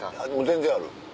全然ある。